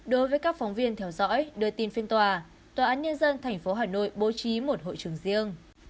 đối với các phóng viên theo dõi đưa tin phiên tòa tòa án nhân dân tp hà nội bố trí một hội trường riêng